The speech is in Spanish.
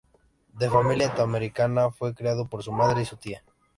De familia italoamericana, fue criado por su madre y su tía.